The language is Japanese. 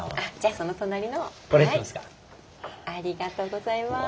ありがとうございます。